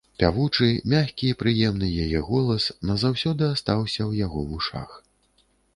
Пявучы, мяккі і прыемны яе голас назаўсёды астаўся ў яго вушах.